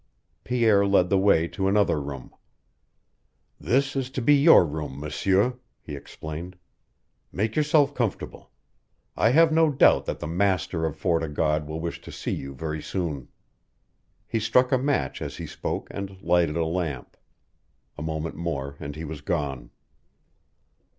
Pierre led the way to another room. "This is to be your room, M'sieur," he explained. "Make yourself comfortable. I have no doubt that the master of Fort o' God will wish to see you very soon." He struck a match as he spoke, and lighted a lamp. A moment more and he was gone.